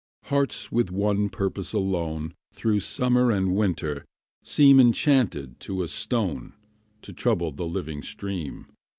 Hearts with one purpose alone Through summer and winter seem Enchanted to a stone To trouble the living stream.